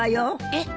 えっ？